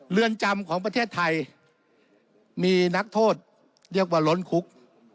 เรือนจำของประเทศไทยมีนักโทษเรียกว่าล้นคุก